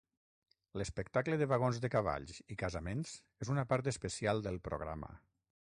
L'espectacle de vagons de cavalls i casaments és una part especial del programa.